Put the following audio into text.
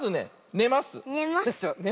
ねます。